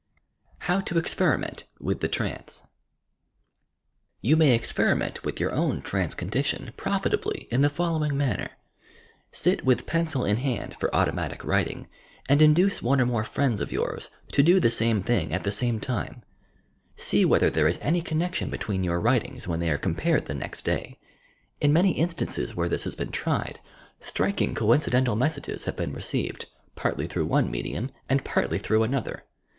HOW TO EXPERIMENT WTTH THE TRANCE You may experiment with your own tranee eondition profitably in the following manner: — Sit with pencil in hand for Automatic Writing, and induce one or more friends of yours to do the same thing at the same time. See whether there is any connection between your writ TRANCE 179 inps, when they arc compared the next day. In many instances, where this has been tried, striking coincidental messages have been received, partly through one medium and partly through another.